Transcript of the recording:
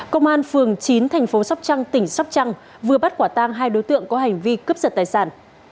công an phường chín thành phố sóc trăng tỉnh sóc trăng vừa bắt quả tang hai đối tượng có hành vi cướp giật tài sản